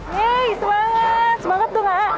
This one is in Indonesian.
hei semangat semangat dong ha